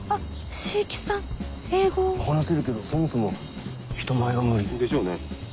話せるけどそもそも人前が無理。でしょうね。